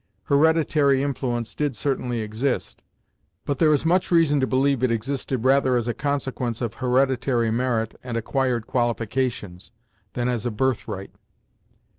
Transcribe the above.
Hereditary influence did certainly exist, but there is much reason to believe it existed rather as a consequence of hereditary merit and acquired qualifications, than as a birthright.